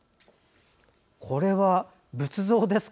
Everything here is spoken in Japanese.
これは、仏像ですか？